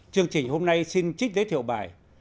chương trình hôm nay xin trích giới thiệu bài